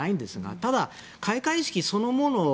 ただ、開会式そのもの